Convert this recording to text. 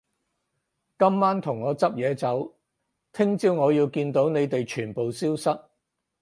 今晚同我執嘢走，聽朝我要見到你哋全部消失